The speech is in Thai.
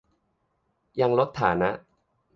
ยังลดฐานะ